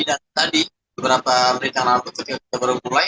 dan tadi beberapa berita yang baru mulai